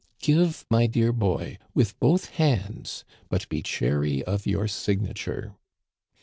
" Give, my dear boy, with both hands ; but be chary of your signature.